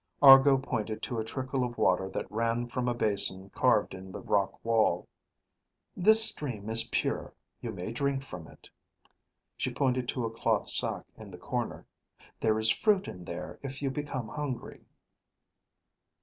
Argo pointed to a trickle of water that ran from a basin carved in the rock wall. "This stream is pure. You may drink from it." She pointed to a cloth sack in the corner. "There is fruit in there if you become hungry."